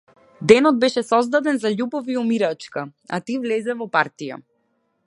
Денот беше создаден за љубов и умирачка, а ти влезе во партија.